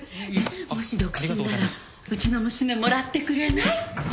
もし独身ならうちの娘もらってくれない？